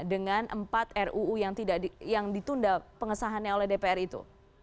dengan empat ruu yang ditunda pengesahannya oleh dpr itu